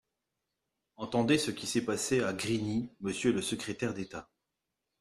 Entendez ce qui s’est passé à Grigny, monsieur le secrétaire d’État